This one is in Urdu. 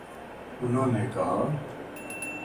انہوں نے کہا